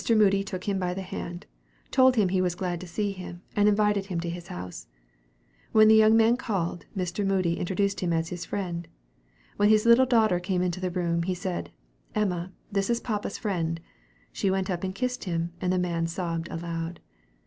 Moody took him by the hand, told him he was glad to see him, and invited him to his house. When the young man called, Mr. Moody introduced him as his friend. When his little daughter came into the room, he said, "Emma, this is papa's friend." She went up and kissed him, and the man sobbed aloud.